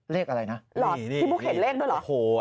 เลขอะไรนะพี่บุ๊กเห็นเลขด้วยเหรอ